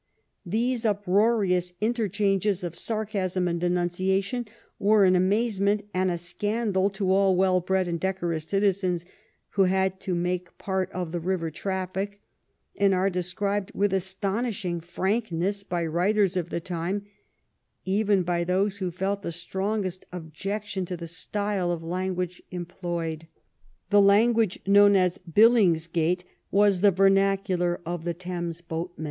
These uproarious interchanges of sarcasm and denunciation were an amazement and a scandal to all well bred and decorous citizens who had to make part of the river traffic, and are described with astonishing frankness by writers of the time, even by those who felt the strongest objection to the style of language employed. The language known as Billings gate was the vernacular of the Thames boatmen.